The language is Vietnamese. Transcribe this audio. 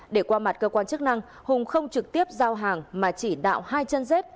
để qua mặt cơ quan chức năng hùng không trực tiếp giao hàng mà chỉ đạo hai chân dết